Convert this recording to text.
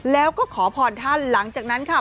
แล้วก็ขอพรท่านหลังจากนั้นค่ะ